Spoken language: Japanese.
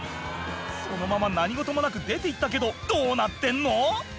そのまま何事もなく出ていったけどどうなってんの？